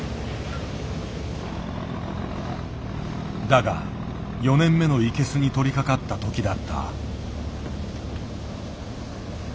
だが４年目のイケスに取りかかったときだった。